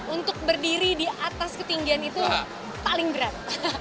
untuk berdiri di atas ketinggian itu paling berat